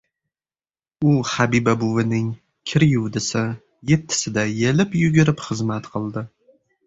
U Habiba buvining kir yuvdisi, yettisida yelib-yugurib xizmat qildi.